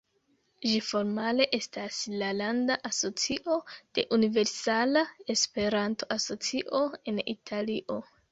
Ĝi formale estas la landa asocio de Universala Esperanto-Asocio en Italio.